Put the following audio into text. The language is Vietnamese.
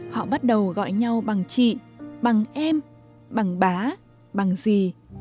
họ bắt đầu gọi nhau bằng chị bằng em bằng bá bằng gì